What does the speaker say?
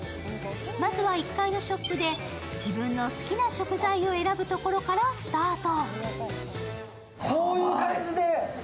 まずは１階のショップで自分の好きな食材を選ぶところからスタート。